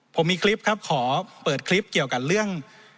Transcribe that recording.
ผมมีคลิปครับขอเปิดคลิปเกี่ยวกับเรื่อง